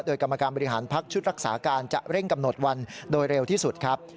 โดยกรรมการบริหารพักชุดรักษาการจะเร่งกำหนดวันโดยเร็วที่สุดครับ